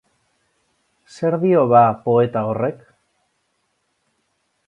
Zer dio ba poeta horrek?